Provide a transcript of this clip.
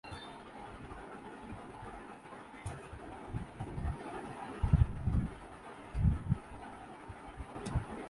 یہ تو تاریخ کی باتیں یا تلخیاں ہیں۔